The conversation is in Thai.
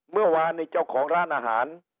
เมื่อวานนี้เจ้าของร้านอาหาร